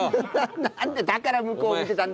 何でだから向こう見てたんだ！